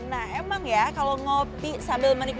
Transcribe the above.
nah emang ya kalau ngopi sambil menikmati